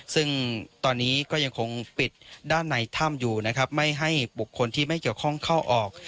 ซึ่งตอนนี้ก็ยังคงปิดด้านในถ้ำอยู่นะครับไม่ให้บุคคลที่ไม่เกี่ยวข้องเข้าออก